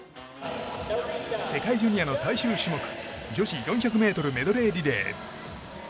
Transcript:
世界ジュニアの最終種目女子４００ｍメドレーリレー。